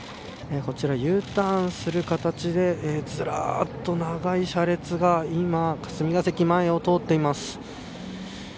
こちらＵターンする形でずらっと長い車列が今、霞ヶ関前を通っています。